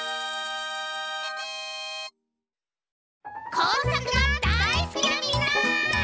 こうさくがだいすきなみんな！